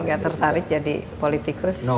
gak tertarik jadi politikus